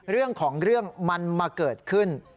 เรื่องของเรื่องมันมาเกิดขึ้น